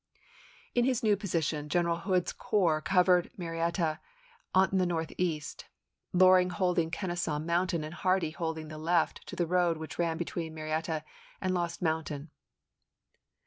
In his new position, General Hood's corps covered Marietta on the northeast, Loring hold ing Kenesaw Mountain, and Hardee holding the left to the road which ran between Marietta and Lost Mountain.